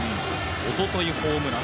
おとといホームラン